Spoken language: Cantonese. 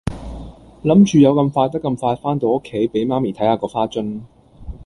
諗住有咁快得咁快番到屋企俾媽咪睇下個花樽